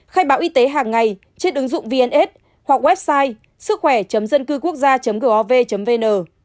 khai báo y tế hàng ngày trên ứng dụng vns hoặc website sứckhỏe dâncưquốcgia gov vn